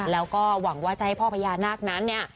แล้วก็หวังว่าจะให้พ่อพญานาคนั้นเนี่ย